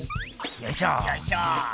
よいしょ。